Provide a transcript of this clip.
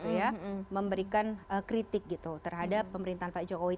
jadi ini juga memberikan kritik gitu terhadap pemerintahan pak jokowi